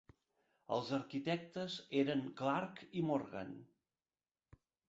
Els arquitectes eren Clark i Morgan.